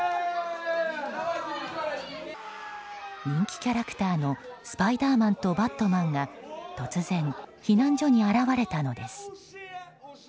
人気キャラクターのスパイダーマンとバットマンが突然、避難所に現れたのです。